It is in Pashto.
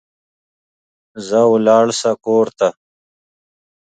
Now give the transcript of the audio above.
ځه ولاړ سه کور ته